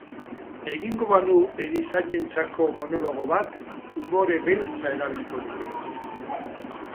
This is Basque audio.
Egingo banu erizainentzako monologo bat, umore beltza erabiliko nuke.